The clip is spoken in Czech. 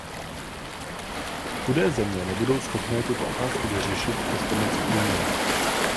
Chudé země nebudou schopné tuto otázku vyřešit bez pomoci Unie.